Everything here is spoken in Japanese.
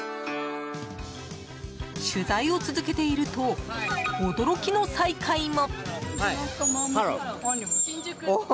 取材を続けていると驚きの再会も。